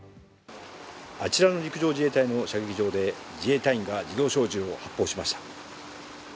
あちらの陸上自衛隊の射撃場で自衛隊員が自動小銃を発砲しました。